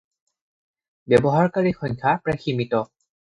ব্যৱহাৰকাৰীৰ সংখ্যা প্ৰায় সীমিত।